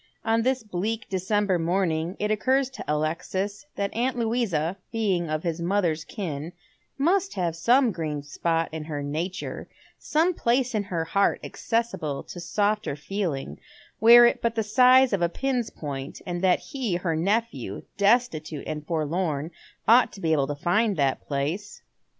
On this bleak December morning it occurs to Alexis that aunt Louisa, being of his mother's kin, must have some green spot in her nature, sonio place in her heart accessible to softer feeling, were it but the size of a pin's point, and that he, her nephew, destitute and forlorn, ought to be able to find that place.